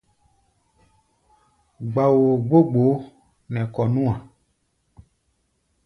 Gba-woo gbó gboó nɛ kɔ̧ nú-a.